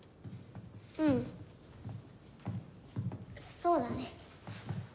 うんそうだね。